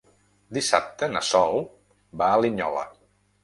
Dissabte na Sol va a Linyola.